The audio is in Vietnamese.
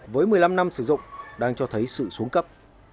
với một mươi năm năm sử dụng đang cho thấy sự xuống cấp